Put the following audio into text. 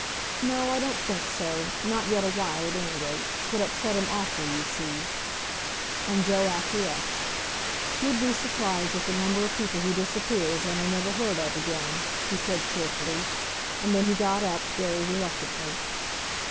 "No, I don't think so. Not yet awhile at any rate. 'Twould upset him awfully, you see." And Joe acquiesced. "You'd be surprised at the number o' people who disappears and are never heard of again," he said cheerfully. And then he got up, very reluctantly.